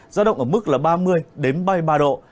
giao động ở mức ba mươi ba mươi ba độ